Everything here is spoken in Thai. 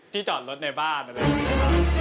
ที่จอดรถในบ้านอะไรนะครับ